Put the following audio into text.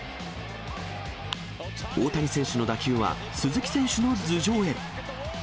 大谷選手の打球は鈴木選手の頭上へ。